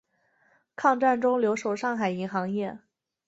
抗战中留守上海银行业。